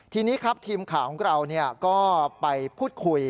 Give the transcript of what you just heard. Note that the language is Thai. ทีนี้ครับทีมข่าวของเราก็ไปพูดคุย